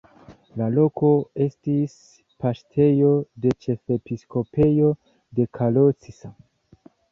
La loko estis paŝtejo de ĉefepiskopejo de Kalocsa.